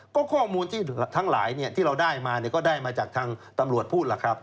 ก็ข้อมูลที่ทั้งหลายที่เราได้มาก็ได้มาจากทางตำรวจพูดล่ะครับ